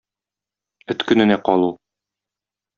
Эт көненә калу.